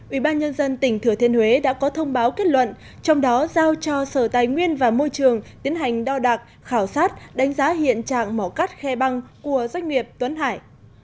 ubnd tỉnh thừa thiên huế đã có thông báo kết luận trong đó giao cho sở tài nguyên và môi trường tiến hành đo đạc khảo sát đánh giá hiện trạng mỏ cắt khe băng của doanh nghiệp tuấn hải